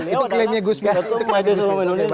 itu klaimnya gusmin